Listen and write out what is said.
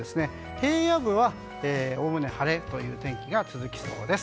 平野部はおおむね晴れが続きそうです。